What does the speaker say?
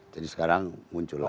jadi sekarang muncul lagi